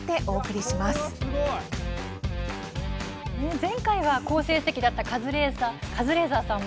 前回は好成績だったカズレーザーさん。